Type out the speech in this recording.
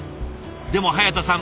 でも早田さん